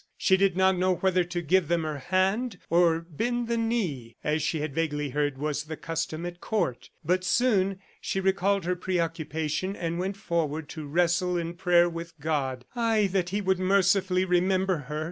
She did not know whether to give them her hand or bend the knee, as she had vaguely heard was the custom at court. But soon she recalled her preoccupation and went forward to wrestle in prayer with God. Ay, that he would mercifully remember her!